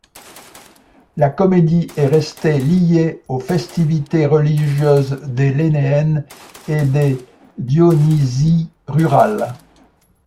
La comédie est restée liée aux festivités religieuses des Lénéennes et des Dionysies rurales.